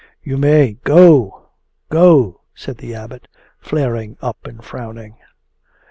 'You may go! Go!' said the Abbot, flaring up and frowning.